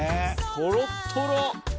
とろっとろ！